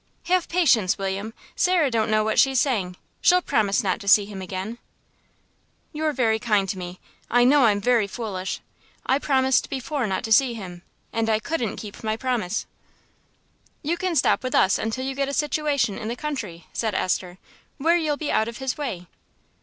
"Have patience, William. Sarah don't know what she's saying. She'll promise not to see him again." "You're very kind to me. I know I'm very foolish. I promised before not to see him, and I couldn't keep my promise." "You can stop with us until you get a situation in the country," said Esther, "where you'll be out of his way."